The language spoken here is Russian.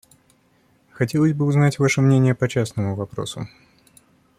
Хотелось бы узнать ваше мнение по частному вопросу.